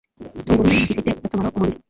Tungurumu ifitiye akamaro umubiri